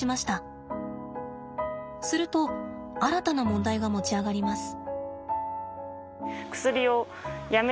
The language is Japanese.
すると新たな問題が持ち上がります。